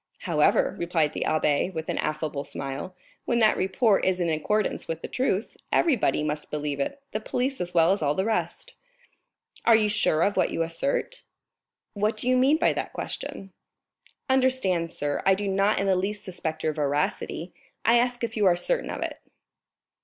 "However," replied the abbé, with an affable smile, "when that report is in accordance with the truth, everybody must believe it, the police as well as all the rest." "Are you sure of what you assert?" "What do you mean by that question?" "Understand, sir, I do not in the least suspect your veracity; I ask if you are certain of it?"